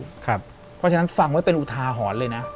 เพราะฉะนั้นฟังไว้เป็นอุทาหรณ์เลยนะ